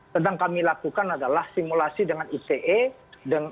sedang kami lakukan adalah simulasi dengan ite